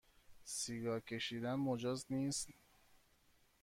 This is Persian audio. سیگار کشیدن مجاز نیست